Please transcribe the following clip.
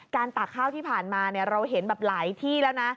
ตากข้าวที่ผ่านมาเราเห็นแบบหลายที่แล้วนะ